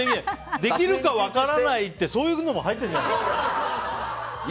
できるか分からないってそういうのも入ってるんだ。